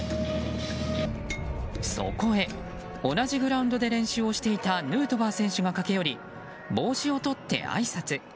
そこへ同じグラウンドで練習をしていたヌートバー選手が駆け寄り帽子をとってあいさつ。